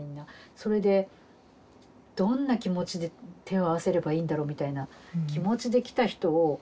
それでどんな気持ちで手を合わせればいいんだろみたいな気持ちで来た人を。